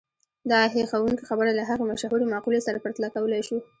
دا هيښوونکې خبره له هغې مشهورې مقولې سره پرتله کولای شو.